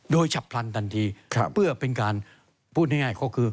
โดยฉับพลันทันทีเพื่อเป็นการพูดง่ายก็คือ